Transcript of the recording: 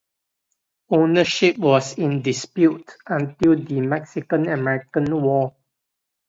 Ownership was in dispute until the Mexican-American War.